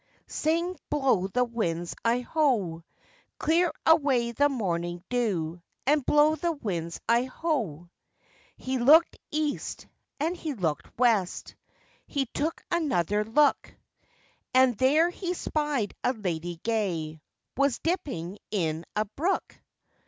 Sing, blow the winds, I ho! Clear away the morning dew, And blow the winds, I ho! He lookèd east, and he lookèd west, He took another look, And there he spied a lady gay, Was dipping in a brook.